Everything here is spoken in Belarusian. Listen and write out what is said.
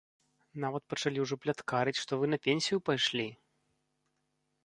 Нават пачалі ўжо пляткарыць, што вы на пенсію пайшлі!